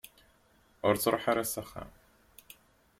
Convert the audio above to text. Ur ttruḥu ara s axxam.